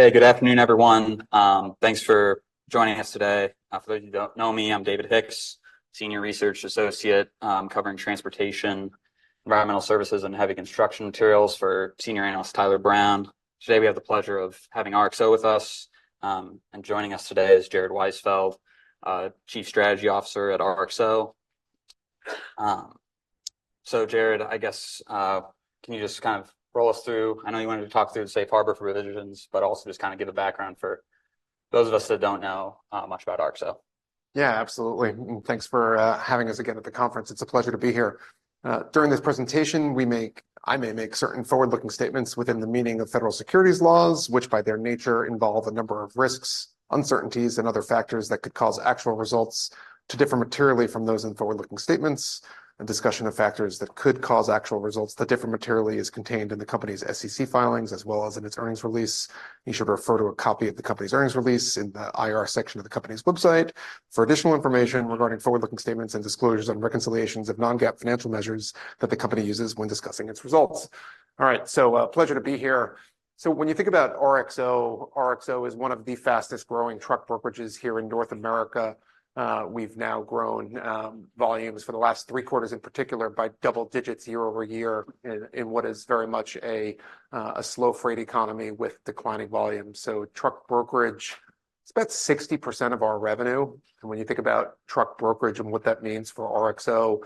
Hey, good afternoon, everyone. Thanks for joining us today. For those who don't know me, I'm David Hicks, Senior Research Associate, covering transportation, environmental services, and heavy construction materials for Senior Analyst Tyler Brown. Today, we have the pleasure of having RXO with us, and joining us today is Jared Weisfeld, Chief Strategy Officer at RXO. So Jared, I guess, can you just kind of roll us through. I know you wanted to talk through the safe harbor for revisions, but also just kind of give a background for those of us that don't know much about RXO. Yeah, absolutely. Thanks for having us again at the conference. It's a pleasure to be here. During this presentation, I may make certain forward-looking statements within the meaning of federal securities laws, which, by their nature, involve a number of risks, uncertainties, and other factors that could cause actual results to differ materially from those in forward-looking statements. A discussion of factors that could cause actual results to differ materially is contained in the company's SEC filings as well as in its earnings release. You should refer to a copy of the company's earnings release in the IR section of the company's website for additional information regarding forward-looking statements and disclosures on reconciliations of non-GAAP financial measures that the company uses when discussing its results. All right, so, pleasure to be here. So when you think about RXO, RXO is one of the fastest-growing truck brokerages here in North America. We've now grown volumes for the last three quarters, in particular, by double digits year-over-year in what is very much a slow freight economy with declining volumes. So truck brokerage, it's about 60% of our revenue. And when you think about truck brokerage and what that means for RXO,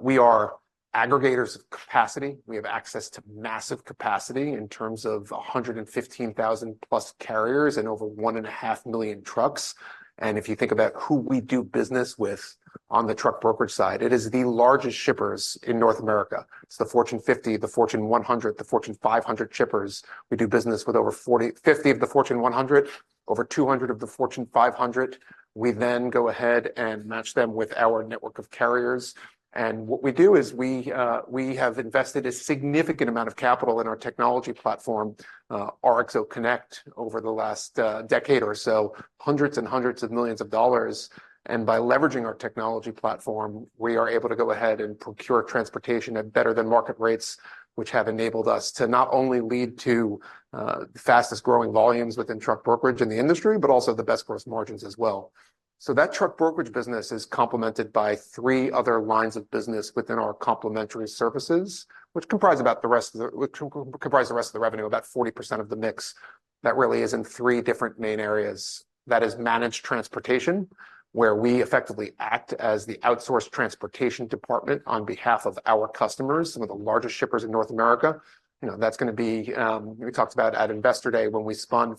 we are aggregators of capacity. We have access to massive capacity in terms of 115,000+ carriers and over 1.5 million trucks. And if you think about who we do business with on the truck brokerage side, it is the largest shippers in North America. It's the Fortune 50, the Fortune 100, the Fortune 500 shippers. We do business with over 50 of the Fortune 100, over 200 of the Fortune 500. We then go ahead and match them with our network of carriers. What we do is we, we have invested a significant amount of capital in our technology platform, RXO Connect, over the last decade or so, hundreds and hundreds of millions of dollars. By leveraging our technology platform, we are able to go ahead and procure transportation at better than market rates, which have enabled us to not only lead to the fastest-growing volumes within truck brokerage in the industry, but also the best gross margins as well. So that truck brokerage business is complemented by three other lines of business within our complementary services, which comprise about the rest of the revenue, about 40% of the mix. That really is in three different main areas. That is managed transportation, where we effectively act as the outsourced transportation department on behalf of our customers, some of the largest shippers in North America. You know, that's gonna be. We talked about at Investor Day, when we spun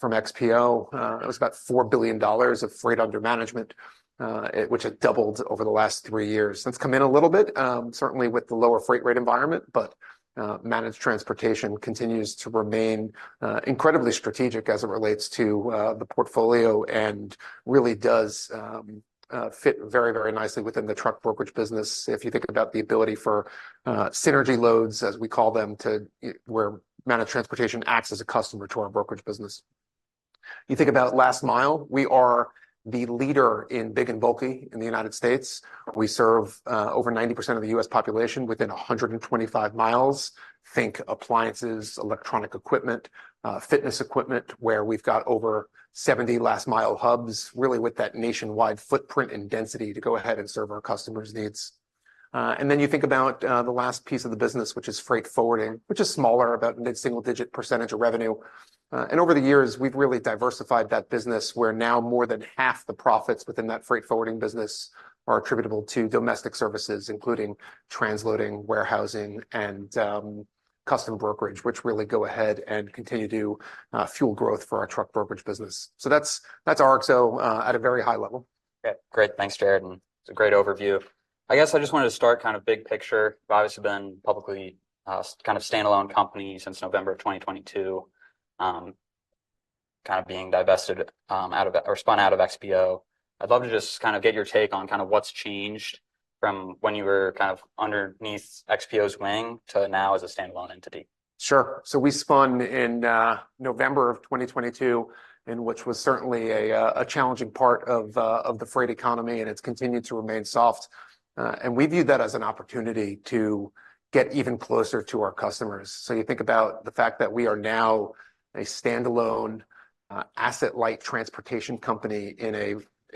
from XPO, it was about $4 billion of freight under management, which had doubled over the last three years. That's come in a little bit, certainly with the lower freight rate environment, but, managed transportation continues to remain, incredibly strategic as it relates to, the portfolio and really does, fit very, very nicely within the truck brokerage business if you think about the ability for, synergy loads, as we call them, where managed transportation acts as a customer to our brokerage business. You think about last mile, we are the leader in big and bulky in the United States. We serve, over 90% of the U.S. population within 125 miles. Think appliances, electronic equipment, fitness equipment, where we've got over 70 last-mile hubs, really with that nationwide footprint and density to go ahead and serve our customers' needs. And then you think about the last piece of the business, which is freight forwarding, which is smaller, about mid-single-digit percentage of revenue. And over the years, we've really diversified that business, where now more than half the profits within that freight forwarding business are attributable to domestic services, including transloading, warehousing, and custom brokerage, which really go ahead and continue to fuel growth for our truck brokerage business. So that's RXO at a very high level. Yeah. Great. Thanks, Jared, and it's a great overview. I guess I just wanted to start kind of big picture. You obviously have been a publicly kind of standalone company since November 2022, kind of being divested out of or spun out of XPO. I'd love to just kind of get your take on kind of what's changed from when you were kind of underneath XPO's wing to now as a standalone entity. Sure. So we spun off in November 2022, and which was certainly a challenging part of the freight economy, and it's continued to remain soft. And we view that as an opportunity to get even closer to our customers. So you think about the fact that we are now a standalone asset-light transportation company in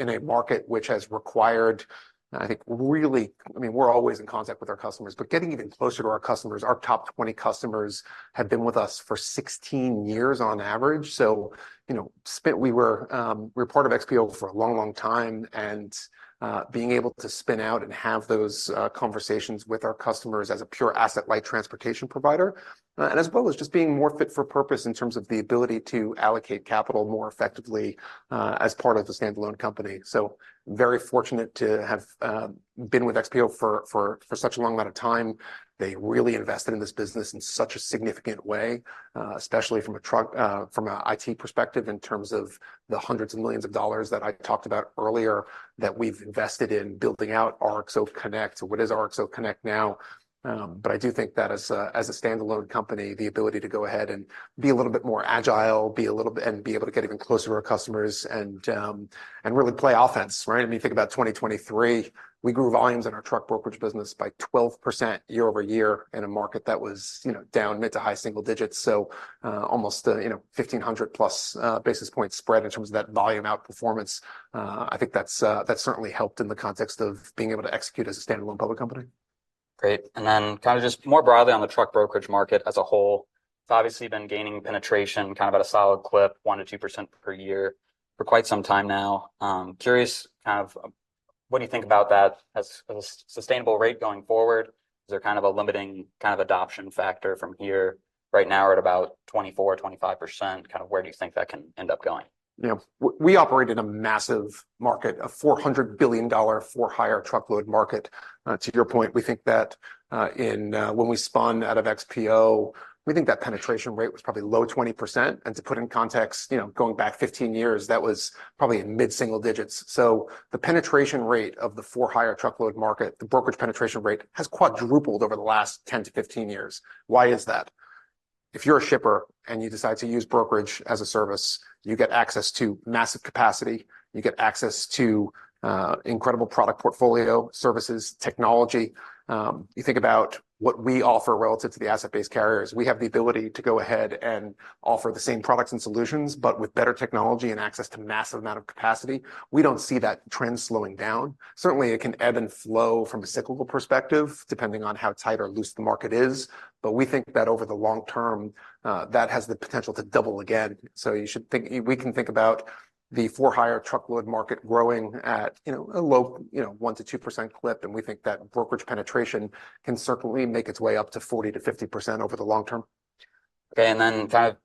a market which has required, I think, really, I mean, we're always in contact with our customers, but getting even closer to our customers. Our top 20 customers have been with us for 16 years on average. So, you know, we were, we were part of XPO for a long, long time, and, being able to spin out and have those, conversations with our customers as a pure asset-light transportation provider, and as well as just being more fit for purpose in terms of the ability to allocate capital more effectively, as part of a standalone company. So very fortunate to have, been with XPO for such a long amount of time. They really invested in this business in such a significant way, especially from an IT perspective, in terms of the hundreds of millions of dollars that I talked about earlier, that we've invested in building out RXO Connect, what is RXO Connect now. But I do think that as a, as a standalone company, the ability to go ahead and be a little bit more agile, and be able to get even closer to our customers and, and really play offense, right? I mean, think about 2023, we grew volumes in our truck brokerage business by 12% year-over-year in a market that was, you know, down mid to high-single digits. So, almost, you know, 1,500+ basis points spread in terms of that volume outperformance. I think that's, that's certainly helped in the context of being able to execute as a standalone public company. Great. Then kind of just more broadly on the truck brokerage market as a whole, it's obviously been gaining penetration, kind of at a solid clip, 1-2% per year for quite some time now. Curious, kind of, what do you think about that as a sustainable rate going forward? Is there kind of a limiting kind of adoption factor from here? Right now, we're at about 24-25%. Kind of where do you think that can end up going? You know, we operate in a massive market, a $400 billion for-hire truckload market. To your point, we think that when we spun out of XPO, we think that penetration rate was probably low 20%. And to put in context, you know, going back 15 years, that was probably in mid-single digits. So the penetration rate of the for-hire truckload market, the brokerage penetration rate, has quadrupled over the last 10-15 years. Why is that? If you're a shipper and you decide to use brokerage as a service, you get access to massive capacity. You get access to incredible product portfolio, services, technology. You think about what we offer relative to the asset-based carriers. We have the ability to go ahead and offer the same products and solutions, but with better technology and access to massive amount of capacity. We don't see that trend slowing down. Certainly, it can ebb and flow from a cyclical perspective, depending on how tight or loose the market is, but we think that over the long term, that has the potential to double again. So, we can think about the for-hire truckload market growing at, you know, a low, you know, 1%-2% clip, and we think that brokerage penetration can certainly make its way up to 40%-50% over the long term. Okay, and then kind of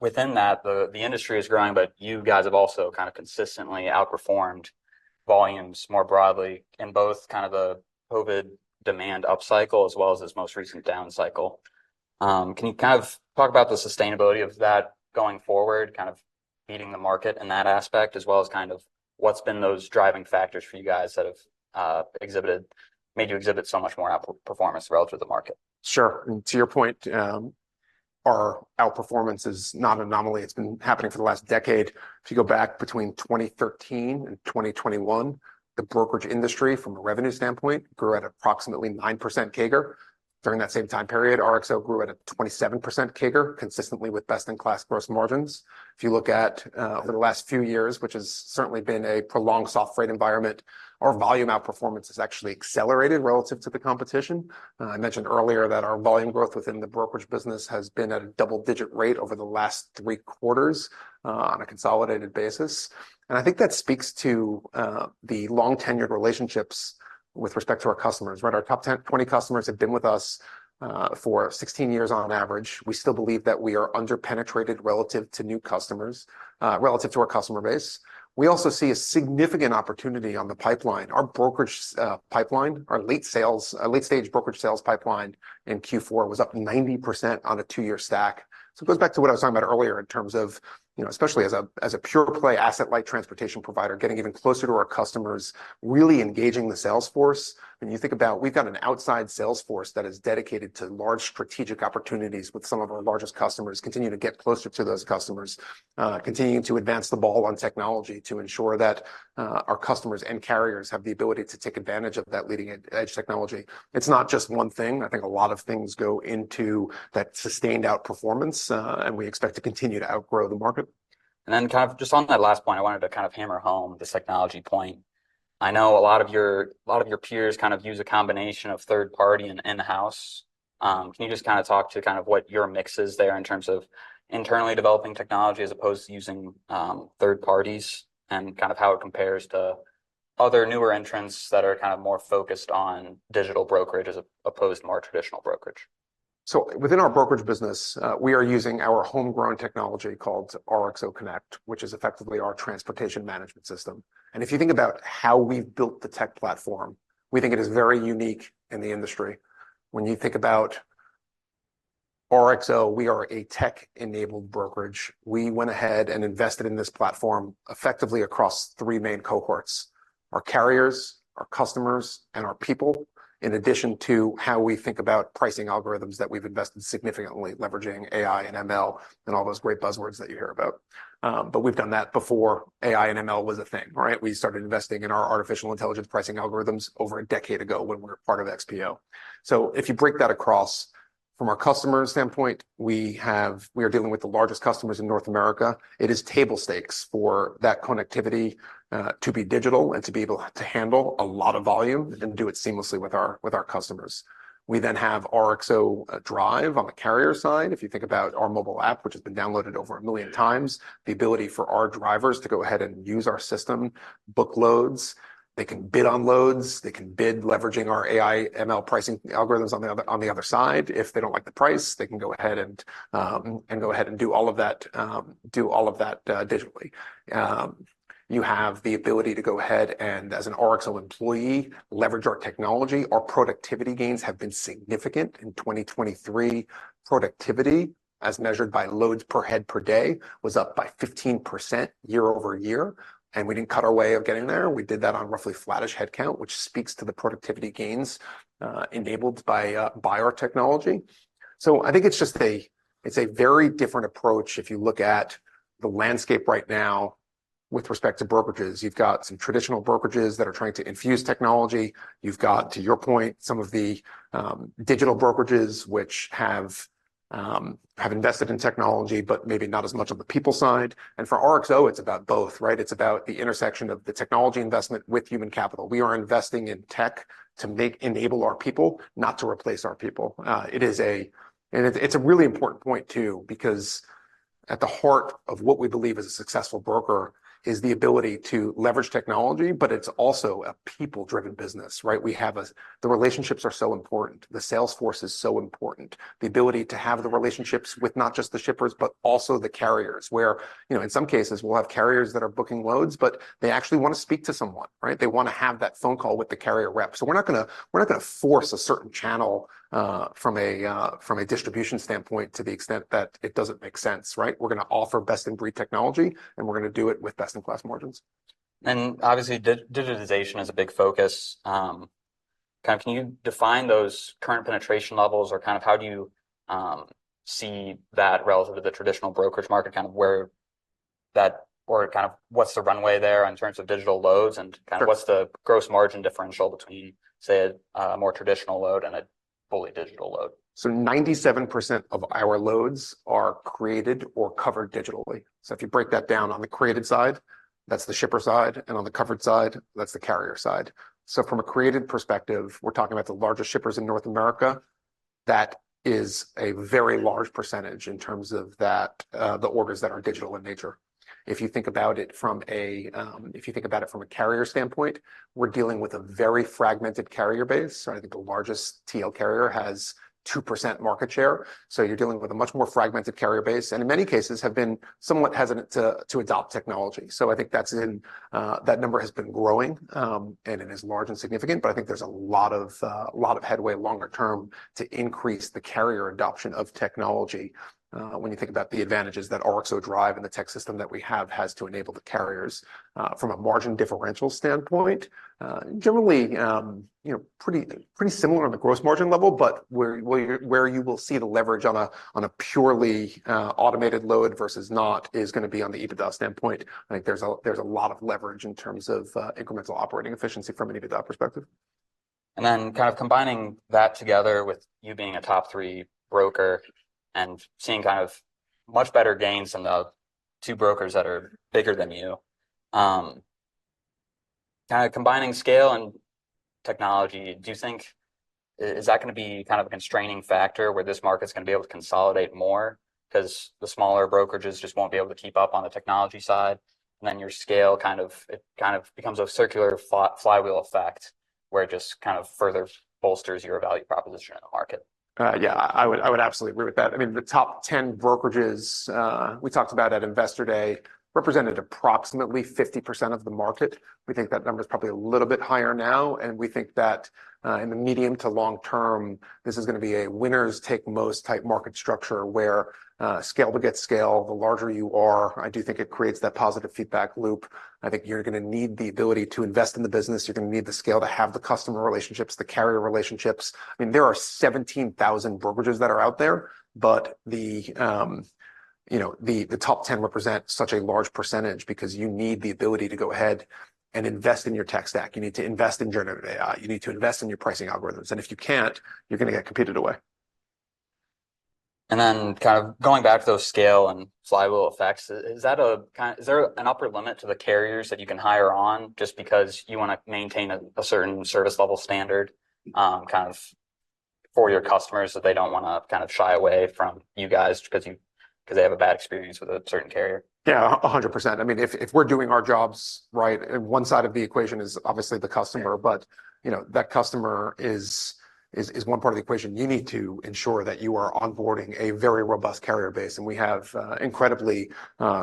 within that, the industry is growing, but you guys have also kind of consistently outperformed volumes more broadly in both kind of the COVID demand upcycle as well as this most recent downcycle. Can you kind of talk about the sustainability of that going forward, kind of leading the market in that aspect, as well as kind of what's been those driving factors for you guys that have made you exhibit so much more outperformance relative to the market? Sure. To your point, our outperformance is not an anomaly. It's been happening for the last decade. If you go back between 2013 and 2021, the brokerage industry, from a revenue standpoint, grew at approximately 9% CAGR. During that same time period, RXO grew at a 27% CAGR, consistently with best-in-class gross margins. If you look at over the last few years, which has certainly been a prolonged soft freight environment, our volume outperformance has actually accelerated relative to the competition. I mentioned earlier that our volume growth within the brokerage business has been at a double-digit rate over the last three quarters, on a consolidated basis, and I think that speaks to the long-tenured relationships with respect to our customers, right? Our top 10, 20 customers have been with us for 16 years on average. We still believe that we are under-penetrated relative to new customers, relative to our customer base. We also see a significant opportunity on the pipeline. Our brokerage pipeline, our late sales, late-stage brokerage sales pipeline in Q4 was up 90% on a two-year stack. So it goes back to what I was talking about earlier in terms of, you know, especially as a, as a pure play, asset light transportation provider, getting even closer to our customers, really engaging the sales force. When you think about, we've got an outside sales force that is dedicated to large strategic opportunities with some of our largest customers, continuing to get closer to those customers, continuing to advance the ball on technology to ensure that, our customers and carriers have the ability to take advantage of that leading edge technology. It's not just one thing. I think a lot of things go into that sustained outperformance, and we expect to continue to outgrow the market. And then kind of just on that last point, I wanted to kind of hammer home this technology point. I know a lot of your peers kind of use a combination of third-party and in-house. Can you just kind of talk to kind of what your mix is there in terms of internally developing technology as opposed to using, third parties, and kind of how it compares to other newer entrants that are kind of more focused on digital brokerage as opposed to more traditional brokerage? So within our brokerage business, we are using our homegrown technology called RXO Connect, which is effectively our transportation management system. If you think about how we've built the tech platform, we think it is very unique in the industry. When you think about RXO, we are a tech-enabled brokerage. We went ahead and invested in this platform effectively across three main cohorts: our carriers, our customers, and our people, in addition to how we think about pricing algorithms that we've invested significantly, leveraging AI and ML and all those great buzzwords that you hear about. But we've done that before AI and ML was a thing, right? We started investing in our artificial intelligence pricing algorithms over a decade ago when we were part of XPO. So if you break that across, from a customer standpoint, we are dealing with the largest customers in North America. It is table stakes for that connectivity to be digital and to be able to handle a lot of volume and do it seamlessly with our customers. We then have RXO Drive on the carrier side. If you think about our mobile app, which has been downloaded over 1 million times, the ability for our drivers to go ahead and use our system, book loads, they can bid on loads, they can bid leveraging our AI ML pricing algorithms on the other side. If they don't like the price, they can go ahead and do all of that digitally. You have the ability to go ahead and, as an RXO employee, leverage our technology. Our productivity gains have been significant. In 2023, productivity, as measured by loads per head per day, was up by 15% year-over-year, and we didn't cut our way of getting there. We did that on roughly flattish headcount, which speaks to the productivity gains enabled by our technology. So I think it's just a, it's a very different approach if you look at the landscape right now with respect to brokerages. You've got some traditional brokerages that are trying to infuse technology. You've got, to your point, some of the digital brokerages, which have invested in technology, but maybe not as much on the people side. And for RXO, it's about both, right? It's about the intersection of the technology investment with human capital. We are investing in tech to enable our people, not to replace our people. It is, and it's, a really important point, too, because at the heart of what we believe is a successful broker is the ability to leverage technology, but it's also a people-driven business, right? The relationships are so important. The sales force is so important. The ability to have the relationships with not just the shippers, but also the carriers, where, you know, in some cases we'll have carriers that are booking loads, but they actually want to speak to someone, right? They want to have that phone call with the carrier rep. So we're not gonna, we're not gonna force a certain channel from a distribution standpoint to the extent that it doesn't make sense, right? We're gonna offer best-in-breed technology, and we're gonna do it with best-in-class margins. And obviously, digitization is a big focus. Kind of, can you define those current penetration levels, or kind of how do you see that relative to the traditional brokerage market? Kind of where that. Or kind of what's the runway there in terms of digital loads, and kind of what's the gross margin differential between, say, a more traditional load and a fully digital load? So 97% of our loads are created or covered digitally. So if you break that down on the created side, that's the shipper side, and on the covered side, that's the carrier side. So from a created perspective, we're talking about the largest shippers in North America. That is a very large percentage in terms of that, the orders that are digital in nature. If you think about it from a carrier standpoint, we're dealing with a very fragmented carrier base. I think the largest TL carrier has 2% market share, so you're dealing with a much more fragmented carrier base, and in many cases have been somewhat hesitant to adopt technology. So I think that's in, that number has been growing, and it is large and significant, but I think there's a lot of headway longer term to increase the carrier adoption of technology. When you think about the advantages that RXO Drive and the tech system that we have has to enable the carriers, from a margin differential standpoint, generally, you know, pretty, pretty similar on the gross margin level, but where, where, where you will see the leverage on a, on a purely, automated load versus not is gonna be on the EBITDA standpoint. I think there's a, there's a lot of leverage in terms of, incremental operating efficiency from an EBITDA perspective. And then kind of combining that together with you being a top three broker and seeing kind of much better gains than the two brokers that are bigger than you. Kind of combining scale and technology, do you think is that gonna be kind of a constraining factor, where this market's gonna be able to consolidate more? 'Cause the smaller brokerages just won't be able to keep up on the technology side, and then your scale kind of, it kind of becomes a circular flywheel effect, where it just kind of further bolsters your value proposition in the market. Yeah, I would, I would absolutely agree with that. I mean, the top ten brokerages, we talked about at Investor Day, represented approximately 50% of the market. We think that number is probably a little bit higher now, and we think that, in the medium to long term, this is gonna be a winners take most type market structure, where, scale to get scale, the larger you are, I do think it creates that positive feedback loop. I think you're gonna need the ability to invest in the business. You're gonna need the scale to have the customer relationships, the carrier relationships. I mean, there are 17,000 brokerages that are out there, but the, you know, the top ten represent such a large percentage because you need the ability to go ahead and invest in your tech stack. You need to invest in generative AI, you need to invest in your pricing algorithms, and if you can't, you're gonna get competed away. And then, kind of going back to those scale and flywheel effects, is there an upper limit to the carriers that you can hire on, just because you wanna maintain a certain service level standard, kind of for your customers, so they don't wanna kind of shy away from you guys 'cause you—'cause they have a bad experience with a certain carrier? Yeah, 100%. I mean, if we're doing our jobs right, one side of the equation is obviously the customer but, you know, that customer is one part of the equation. You need to ensure that you are onboarding a very robust carrier base, and we have incredibly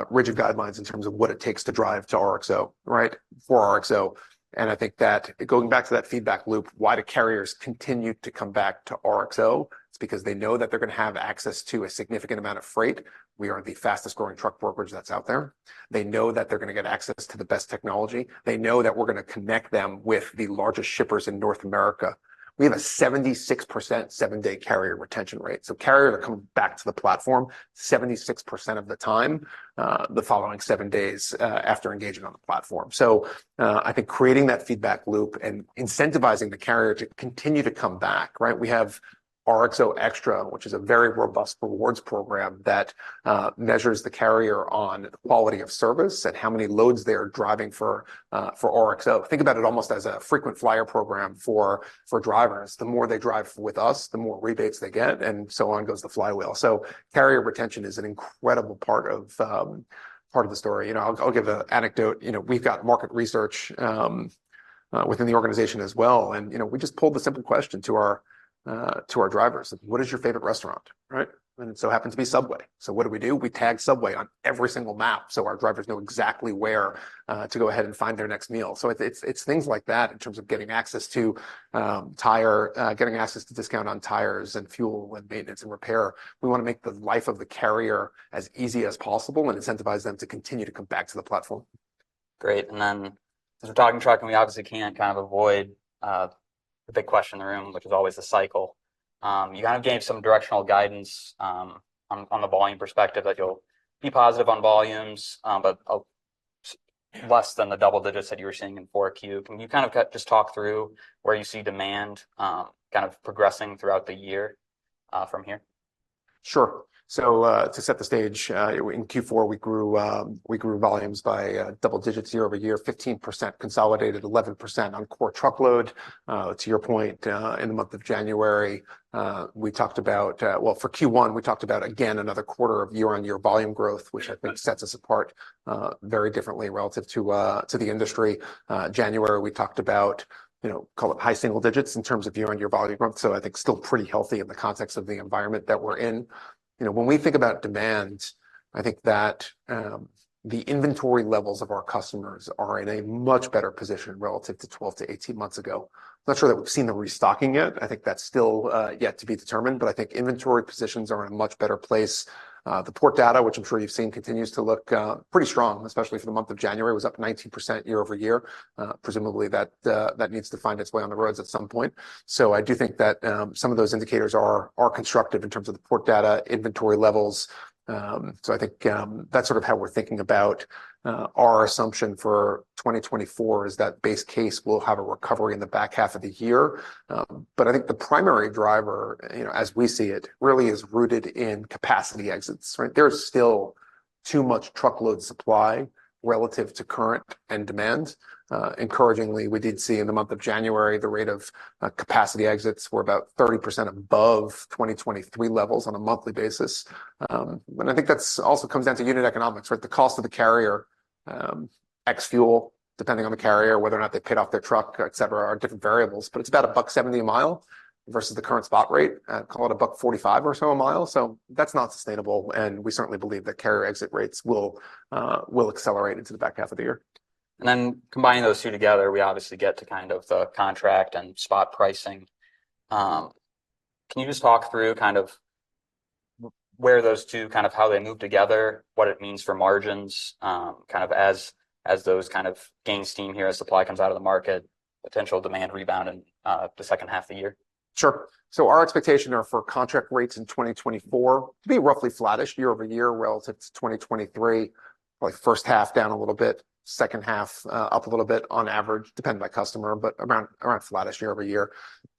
rigid guidelines in terms of what it takes to drive to RXO, right? For RXO. And I think that going back to that feedback loop, why do carriers continue to come back to RXO? It's because they know that they're gonna have access to a significant amount of freight. We are the fastest-growing truck brokerage that's out there. They know that they're gonna get access to the best technology. They know that we're gonna connect them with the largest shippers in North America. We have a 76% seven-day carrier retention rate, so carriers are coming back to the platform 76% of the time the following seven days after engaging on the platform. So, I think creating that feedback loop and incentivizing the carrier to continue to come back, right? We have RXO Extra, which is a very robust rewards program that measures the carrier on quality of service and how many loads they are driving for RXO. Think about it almost as a frequent flyer program for drivers. The more they drive with us, the more rebates they get, and so on goes the flywheel. So carrier retention is an incredible part of the story. You know, I'll give an anecdote. You know, we've got market research within the organization as well, and, you know, we just pulled a simple question to our drivers: What is your favorite restaurant, right? And it so happened to be Subway. So what do we do? We tag Subway on every single map, so our drivers know exactly where to go ahead and find their next meal. So it's things like that in terms of getting access to discount on tires and fuel, and maintenance, and repair. We wanna make the life of the carrier as easy as possible and incentivize them to continue to come back to the platform. Great. And then, as we're talking truck, and we obviously can't kind of avoid the big question in the room, which is always the cycle. You kind of gained some directional guidance on the volume perspective, that you'll be positive on volumes, but less than the double digits that you were seeing in 4Q. Can you kind of just talk through where you see demand kind of progressing throughout the year, from here? Sure. So, to set the stage, in Q4, we grew volumes by double digits, year-over-year, 15% consolidated, 11% on core truckload. To your point, in the month of January. Well, for Q1, we talked about, again, another quarter of year-on-year volume growth, which I think sets us apart very differently relative to the industry. January, we talked about, you know, call it high single digits in terms of year-on-year volume growth, so I think still pretty healthy in the context of the environment that we're in. You know, when we think about demand, I think that the inventory levels of our customers are in a much better position relative to 12-18 months ago. Not sure that we've seen the restocking yet, I think that's still yet to be determined, but I think inventory positions are in a much better place. The port data, which I'm sure you've seen, continues to look pretty strong, especially for the month of January, was up 19% year-over-year. Presumably, that needs to find its way on the roads at some point. So I do think that some of those indicators are constructive in terms of the port data, inventory levels. So I think that's sort of how we're thinking about our assumption for 2024, is that base case will have a recovery in the back half of the year. But I think the primary driver, you know, as we see it, really is rooted in capacity exits, right? There's still too much truckload supply relative to current and demand. Encouragingly, we did see in the month of January, the rate of capacity exits were about 30% above 2023 levels on a monthly basis. And I think that's also comes down to unit economics, right? The cost of the carrier, ex fuel, depending on the carrier, whether or not they paid off their truck, et cetera, are different variables, but it's about $1.70 a mile versus the current spot rate, call it $1.45 or so a mile. So that's not sustainable, and we certainly believe that carrier exit rates will accelerate into the back half of the year. Then combining those two together, we obviously get to kind of the contract and spot pricing. Can you just talk through kind of where those two, kind of how they move together, what it means for margins, kind of as those kind of gain steam here, as supply comes out of the market, potential demand rebound in the second half of the year? Sure. So our expectation are for contract rates in 2024 to be roughly flattish year-over-year relative to 2023. Like first half down a little bit, second half, up a little bit on average, depending by customer, but around, around flattish year-over-year.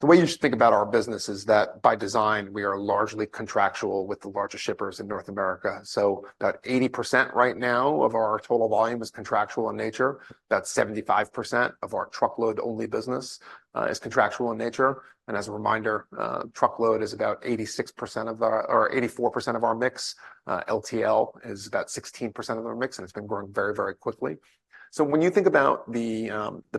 The way you should think about our business is that, by design, we are largely contractual with the largest shippers in North America. So about 80% right now of our total volume is contractual in nature. About 75% of our truckload-only business is contractual in nature, and as a reminder, truckload is about 86% or 84% of our mix. LTL is about 16% of our mix, and it's been growing very, very quickly. So when you think about the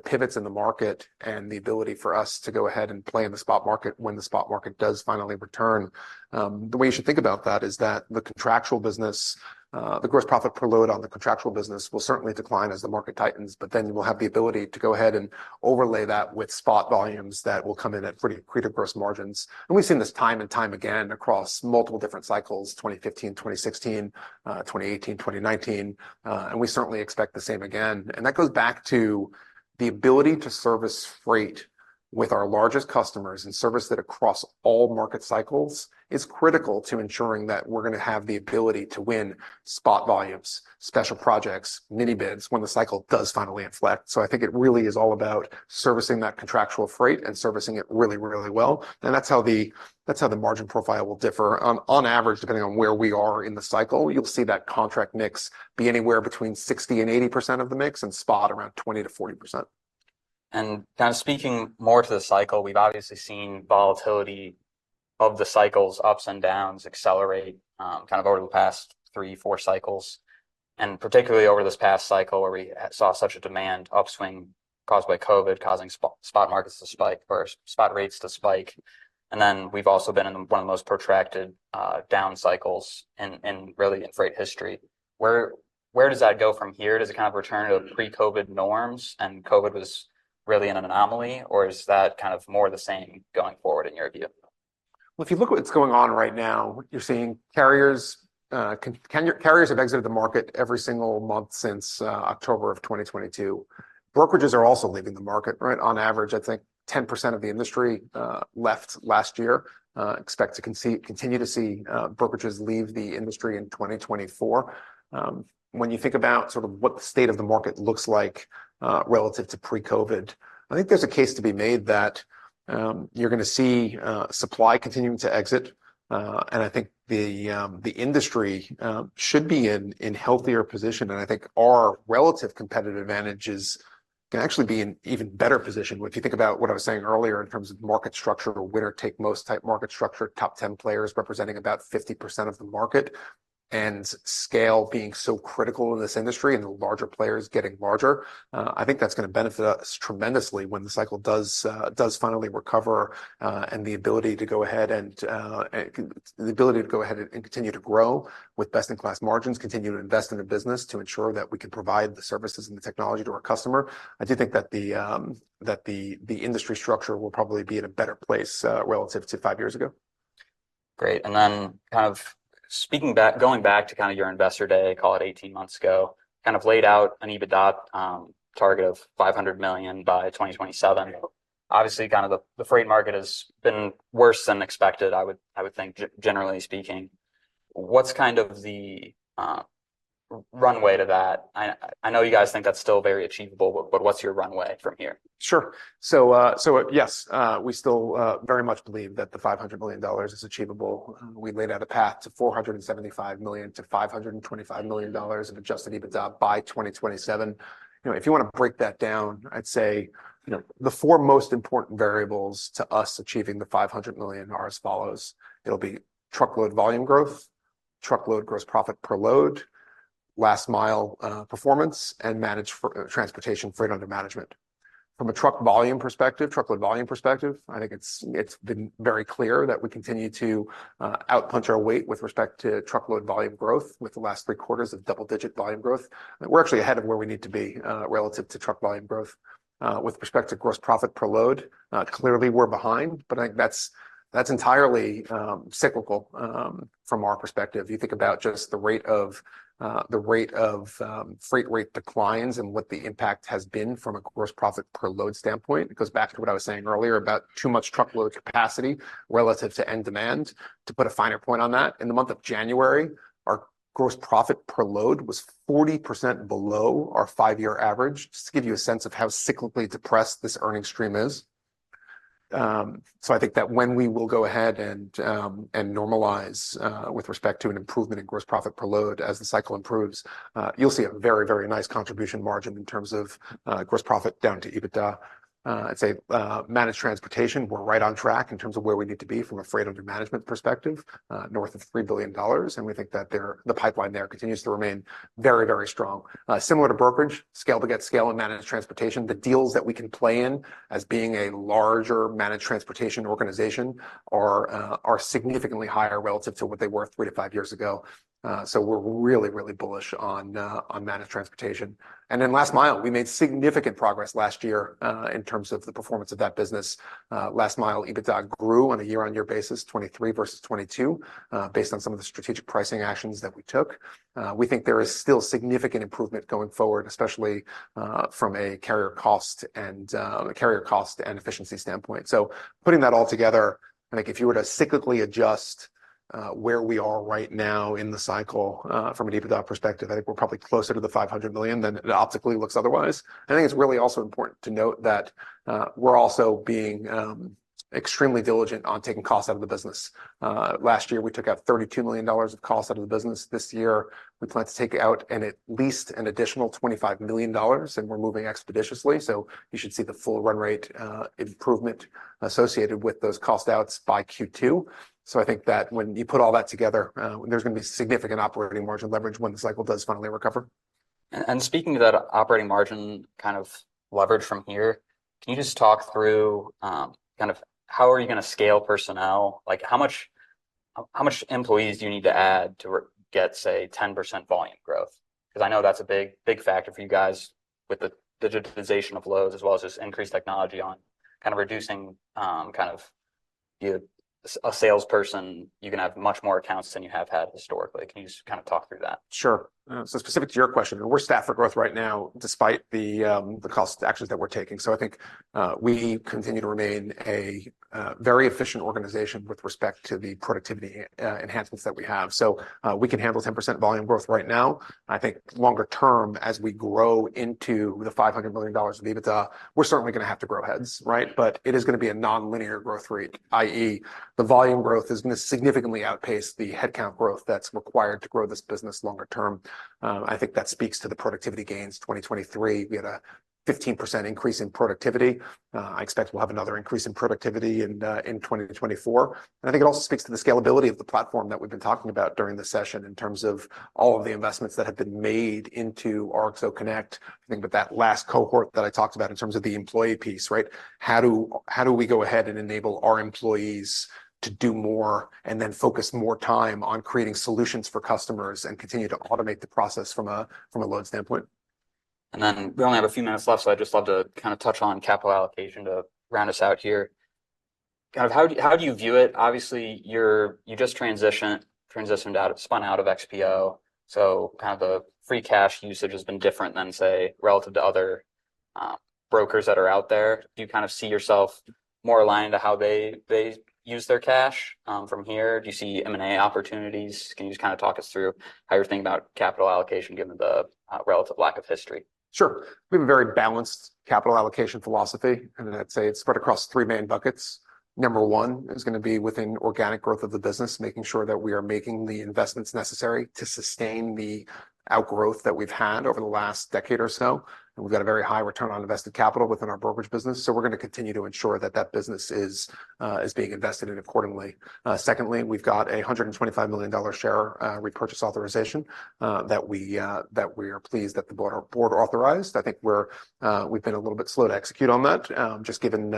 pivots in the market and the ability for us to go ahead and play in the spot market when the spot market does finally return, the way you should think about that is that the contractual business, the gross profit per load on the contractual business will certainly decline as the market tightens, but then we'll have the ability to go ahead and overlay that with spot volumes that will come in at pretty accretive gross margins. And we've seen this time and time again across multiple different cycles: 2015, 2016, 2018, 2019, and we certainly expect the same again. And that goes back to the ability to service freight with our largest customers, and service that across all market cycles, is critical to ensuring that we're gonna have the ability to win spot volumes, special projects, mini bids, when the cycle does finally inflect. So I think it really is all about servicing that contractual freight and servicing it really, really well. And that's how the, that's how the margin profile will differ. On, on average, depending on where we are in the cycle, you'll see that contract mix be anywhere between 60% and 80% of the mix, and spot around 20%-40%. And kind of speaking more to the cycle, we've obviously seen volatility of the cycles, ups and downs, accelerate, kind of over the past three, four cycles, and particularly over this past cycle, where we saw such a demand upswing caused by COVID, causing spot markets to spike, or spot rates to spike. And then we've also been in one of the most protracted down cycles in really in freight history. Where does that go from here? Does it kind of return to pre-COVID norms, and COVID was really an anomaly, or is that kind of more the same going forward, in your view? Well, if you look at what's going on right now, you're seeing carriers, carriers have exited the market every single month since October of 2022. Brokerages are also leaving the market, right? On average, I think 10% of the industry left last year. Expect to continue to see brokerages leave the industry in 2024. When you think about sort of what the state of the market looks like, relative to pre-COVID, I think there's a case to be made that you're gonna see supply continuing to exit. And I think the industry should be in healthier position, and I think our relative competitive advantages can actually be in even better position. If you think about what I was saying earlier in terms of market structure, winner-take-most type market structure, top 10 players representing about 50% of the market, and scale being so critical in this industry, and the larger players getting larger, I think that's gonna benefit us tremendously when the cycle does finally recover, and the ability to go ahead and continue to grow with best-in-class margins, continue to invest in the business to ensure that we can provide the services and the technology to our customer. I do think that the industry structure will probably be in a better place, relative to five years ago. Great. And then kind of speaking back - going back to kind of your Investor Day, call it 18 months ago, kind of laid out an EBITDA target of $500 million by 2027. Obviously, kind of the freight market has been worse than expected, I would think, generally speaking. What's kind of the runway to that? I know you guys think that's still very achievable, but what's your runway from here? Sure. So, yes, we still very much believe that the $500 million is achievable. We laid out a path to $475 million-$525 million of adjusted EBITDA by 2027. You know, if you want to break that down, I'd say, you know, the four most important variables to us achieving the $500 million are as follows: it'll be truckload volume growth, truckload gross profit per load, last mile performance, and managed transportation freight under management. From a truck volume perspective, truckload volume perspective, I think it's, it's been very clear that we continue to out-punch our weight with respect to truckload volume growth, with the last three quarters of double-digit volume growth. We're actually ahead of where we need to be, relative to truck volume growth. With respect to gross profit per load, clearly we're behind, but I think that's entirely cyclical, from our perspective. You think about just the rate of freight rate declines and what the impact has been from a gross profit per load standpoint. It goes back to what I was saying earlier about too much truckload capacity relative to end demand. To put a finer point on that, in the month of January, our gross profit per load was 40% below our five-year average, just to give you a sense of how cyclically depressed this earnings stream is. So I think that when we will go ahead and normalize with respect to an improvement in gross profit per load as the cycle improves, you'll see a very, very nice contribution margin in terms of gross profit down to EBITDA. I'd say managed transportation, we're right on track in terms of where we need to be from a freight under management perspective north of $3 billion, and we think that there, the pipeline there continues to remain very, very strong. Similar to brokerage, scale to get scale and managed transportation. The deals that we can play in as being a larger managed transportation organization are significantly higher relative to what they were three to five years ago. So we're really, really bullish on managed transportation. Then last mile, we made significant progress last year in terms of the performance of that business. Last mile, EBITDA grew on a year-on-year basis, 2023 versus 2022, based on some of the strategic pricing actions that we took. We think there is still significant improvement going forward, especially from a carrier cost and efficiency standpoint. So putting that all together, I think if you were to cyclically adjust where we are right now in the cycle from an EBITDA perspective, I think we're probably closer to the $500 million than it optically looks otherwise. I think it's really also important to note that we're also being extremely diligent on taking costs out of the business. Last year, we took out $32 million of costs out of the business. This year, we plan to take out at least an additional $25 million, and we're moving expeditiously, so you should see the full run rate improvement associated with those cost outs by Q2. So I think that when you put all that together, there's gonna be significant operating margin leverage when the cycle does finally recover. Speaking of that operating margin kind of leverage from here, can you just talk through kind of how are you gonna scale personnel? Like, how much employees do you need to add to get, say, 10% volume growth? 'Cause I know that's a big, big factor for you guys with the digitization of loads, as well as just increased technology on kind of reducing kind of being a salesperson, you can have much more accounts than you have had historically. Can you just kind of talk through that? Sure. So specific to your question, we're staffed for growth right now, despite the, the cost actions that we're taking. So I think, we continue to remain a very efficient organization with respect to the productivity, enhancements that we have. So, we can handle 10% volume growth right now. I think longer term, as we grow into the $500 million of EBITDA, we're certainly gonna have to grow heads, right? But it is gonna be a non-linear growth rate, i.e., the volume growth is gonna significantly outpace the headcount growth that's required to grow this business longer term. I think that speaks to the productivity gains. 2023, we had a 15% increase in productivity. I expect we'll have another increase in productivity in 2024. I think it also speaks to the scalability of the platform that we've been talking about during the session in terms of all of the investments that have been made into RXO Connect. I think with that last cohort that I talked about in terms of the employee piece, right, how do we go ahead and enable our employees to do more, and then focus more time on creating solutions for customers and continue to automate the process from a load standpoint? Then we only have a few minutes left, so I'd just love to kind of touch on capital allocation to round us out here. Kind of how do you view it? Obviously, you just transitioned out of, spun out of XPO, so kind of the free cash usage has been different than, say, relative to other, brokers that are out there. Do you kind of see yourself more aligned to how they use their cash, from here? Do you see M&A opportunities? Can you just kind of talk us through how you're thinking about capital allocation, given the relative lack of history? Sure. We have a very balanced capital allocation philosophy, and I'd say it's spread across three main buckets. Number one is gonna be within organic growth of the business, making sure that we are making the investments necessary to sustain the outgrowth that we've had over the last decade or so, and we've got a very high return on invested capital within our brokerage business, so we're gonna continue to ensure that that business is being invested in accordingly. Secondly, we've got a $125 million share repurchase authorization that we are pleased that the board, board authorized. I think we're we've been a little bit slow to execute on that, just given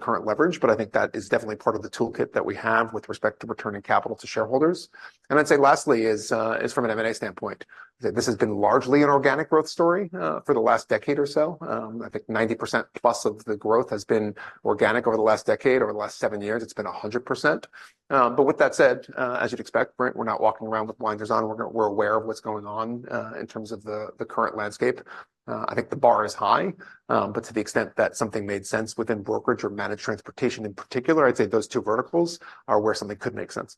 current leverage, but I think that is definitely part of the toolkit that we have with respect to returning capital to shareholders. I'd say lastly is from an M&A standpoint, that this has been largely an organic growth story, for the last decade or so. I think 90% plus of the growth has been organic over the last decade. Over the last seven years, it's been 100%. But with that said, as you'd expect, right, we're not walking around with blinders on. We're aware of what's going on, in terms of the current landscape. I think the bar is high, but to the extent that something made sense within brokerage or managed transportation in particular, I'd say those two verticals are where something could make sense.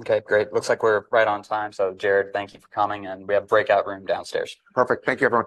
Okay, great. Looks like we're right on time. Jared, thank you for coming, and we have a breakout room downstairs. Perfect. Thank you, everyone.